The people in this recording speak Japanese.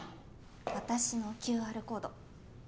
私のＱＲコード。